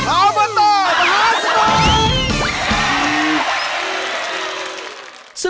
อบอนเตอร์มหาสนุก